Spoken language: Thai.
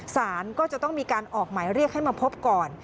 สารก็จะต้องมีการออกหมายเรียกให้มาพบก่อน